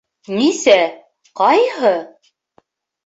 Нисә? Ҡайһы?